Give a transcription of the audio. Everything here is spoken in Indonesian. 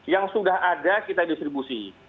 yang sudah ada kita distribusi